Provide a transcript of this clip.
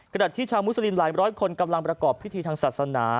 ขณะที่ชาวมุสลิมหลายร้อยคนกำลังประกอบพิธีทางศาสนา